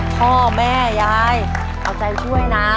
พ่อแม่ยายเอาใจช่วยนะ